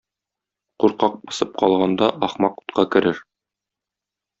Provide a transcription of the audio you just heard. Куркак посып калганда ахмак утка керер.